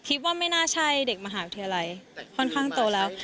คิดว่าไม่น่าใช่เด็กมหาวิทยาลัยค่อนข้างโตแล้ว